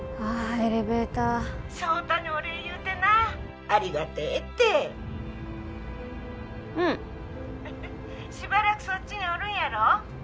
エレベーター☎翔太にお礼言うてなありがてえってうん☎しばらくそっちにおるんやろ？